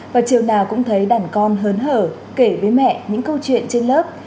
và chiều nào cũng thấy đàn con hớn hờ kể với mẹ những câu chuyện trên lớp